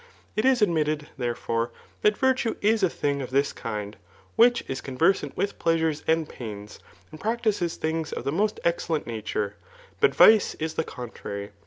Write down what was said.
It is admitted, therefonF^ ihht: virtue is a thing of this kind, which is conversatft iRodi pfeasnres and pains, and practises thmgs of th^ most excellent nature ^ but vice is the contrary.